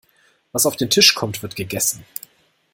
Was auf den Tisch kommt, wird gegessen.